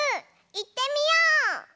いってみよう！